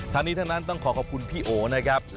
ทั้งนี้ทั้งนั้นต้องขอขอบคุณพี่โอนะครับ